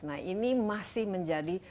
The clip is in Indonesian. nah ini masih menjadi